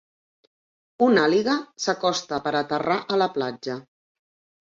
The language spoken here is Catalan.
Un àliga s'acosta per aterrar a la platja.